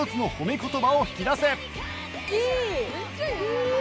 いい！